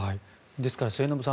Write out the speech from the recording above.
ですから、末延さん